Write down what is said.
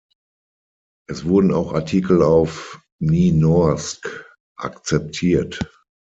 Es wurden auch Artikel auf Nynorsk akzeptiert.